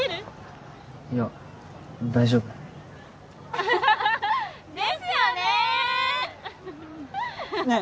いや大丈夫アハハハハですよねねえ